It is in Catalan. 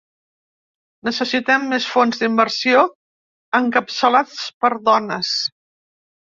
Necessitem més fons d’inversió encapçalats per dones.